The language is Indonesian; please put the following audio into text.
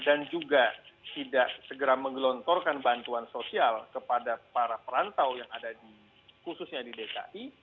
dan juga tidak segera menggelontorkan bantuan sosial kepada para perantau yang ada di khususnya di dki